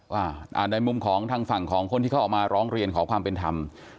ว่าในมุมของทางฝั่งของคนที่เขาออกมาร้องเรียนขอความเป็นธรรม